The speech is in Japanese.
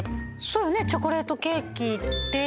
そうねチョコレートケーキで。